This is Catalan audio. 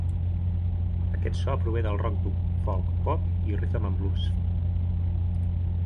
Aquest so prové del rock dur, folk, pop i rhythm-and-blues.